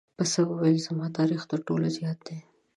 پسه وویل زما تاریخ تر ټولو زیات دی.